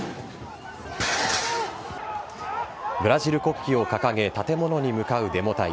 ブラジル国旗を掲げ、建物に向かうデモ隊。